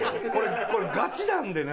これガチなんでね